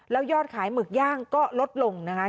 แล้วยอดขายหมึกย่างก็ลดลงนะคะ